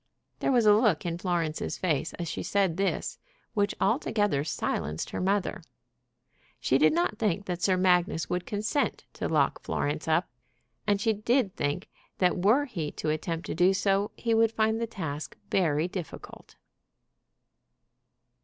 There was a look in Florence's face as she said this which altogether silenced her mother. She did not think that Sir Magnus would consent to lock Florence up, and she did think that were he to attempt to do so he would find the task very difficult.